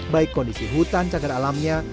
baik kondisi hutan cagar alamnya